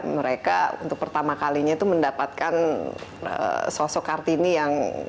mereka untuk pertama kalinya itu mendapatkan sosok kartini yang